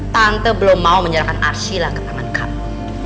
tante belum mau menyerahkan arsylah ke tangan kamu